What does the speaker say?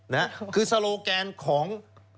ก็คือโซโลแกนของ